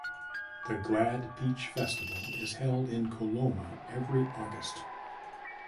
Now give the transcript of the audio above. The Glad-Peach Festival is held in Coloma every August.